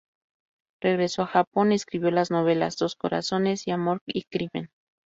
Regresó a Japón y escribió las novelas "Dos corazones" y "Amor y crimen".